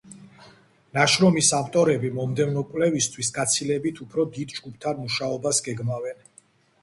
ნაშრომის ავტორები მომდევნო კვლევისთვის გაცილებით უფრო დიდ ჯგუფთან მუშაობას გეგმავენ.